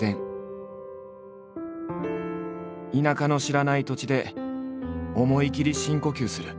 田舎の知らない土地で思いきり深呼吸する。